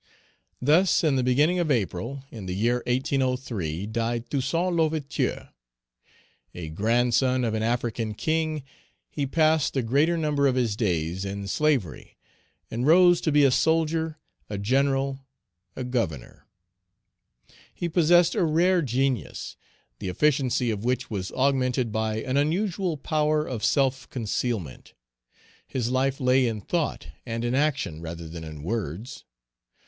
Thus, in the beginning of April, in the year 1803, died Toussaint L'Ouverture. A grandson of an African king, he passed the greater number of his days in slavery, and rose to be a Page 287 soldier, a general, a governor. He possessed a rare genius, the efficiency of which was augmented by an unusual power of self concealment. His life lay in thought and in action rather than in words.